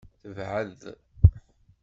Tebɛed.